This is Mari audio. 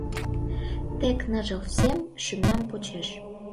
Тек ныжыл сем шӱмнам почеш.